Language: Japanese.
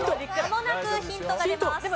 まもなくヒントが出ます。